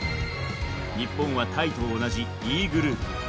日本はタイと同じＥグループ。